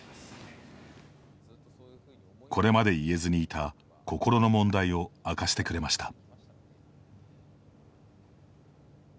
これまで言えずにいた心の問題を明かしてくれました。